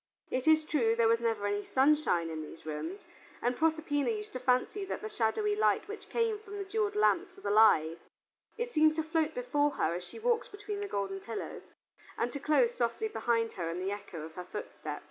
It is true there was never any sunshine in these rooms, and Proserpina used to fancy that the shadowy light which came from the jeweled lamps was alive: it seemed to float before her as she walked between the golden pillars, and to close softly behind her in the echo of her footsteps.